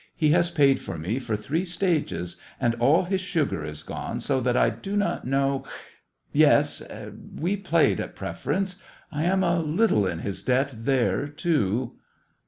He has paid for me for three stages, and all his sugar is gone, so that I do not know — yes, and we played at preference. I am a little in his debt there, too."